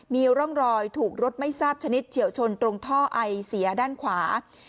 มีร่องรอยถูกรถไม่ทราบชนิดเฉียวชนตรงท่อไอเสียด้านขวา